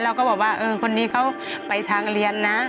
เราก็บอกว่าเออคนนี้เขาไปทางเรียนนะ